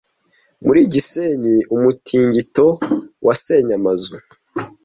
Muri gisenyi umutingito wasenye amazu